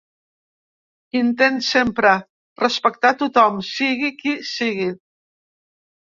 Intent sempre respectar tothom, sigui qui sigui.